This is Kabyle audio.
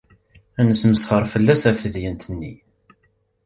Nesmesxer fell-as ɣef tedyant-nni.